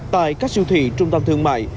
tại các siêu thị trung tâm thương mại